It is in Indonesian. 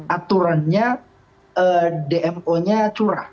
aturannya dmo nya curah